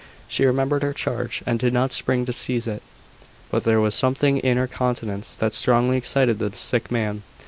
She remembered her charge, and did not spring to seize it; but there was something in her countenance that strongly excited the sick man.